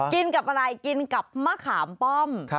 กินกับอะไรกินกับมะขามป้อม